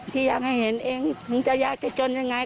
พี่อยากให้เห็นเองมึงจะยากจะจนยังไง